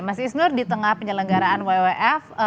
mas isnur di tengah penyelenggaraan wwf